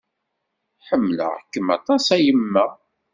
Ḥemmleɣ-kem aṭas a yemma!